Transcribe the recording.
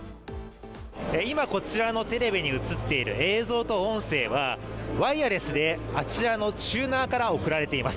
今、こちらのテレビに映っている映像と音声はワイヤレスであちらのチューナーから送られています。